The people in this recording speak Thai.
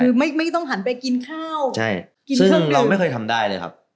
คือไม่ต้องหันไปกินข้าวใช่ซึ่งเราไม่เคยทำได้เลยครับ